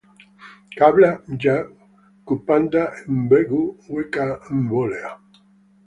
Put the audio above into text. Kabla ya kupanda mbegu weka mbolea